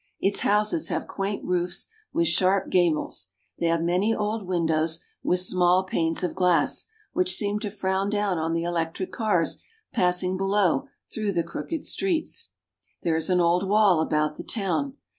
Its houses have quaint roofs with sharp gables ; they have many old windows, with small panes of glass, which seem to frown down on the electric cars pass ing below through the crooked streets. There is an old wall about the town.